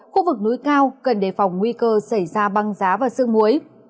khu vực núi cao cần đề phòng nguy cơ xảy ra băng giá và sương muối